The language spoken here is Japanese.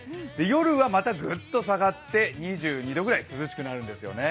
夜はまたグッと下がって２２度ぐらい涼しくなるんですよね。